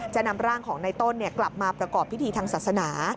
จะนำร่างของในต้นกลับมาประกอบพิธีทางศาสนา